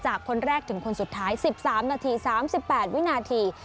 คนแรกถึงคนสุดท้าย๑๓นาที๓๘วินาที